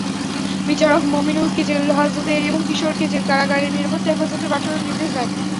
বিচারক মমিনুলকে জেলহাজতে এবং কিশোরীকে জেলা কারাগারের নিরাপত্তা হেফাজতে পাঠানোর নির্দেশ দেন।